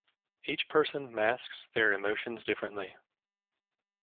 Each person masks their emotions differently.